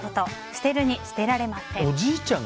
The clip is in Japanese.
捨てるに捨てられません。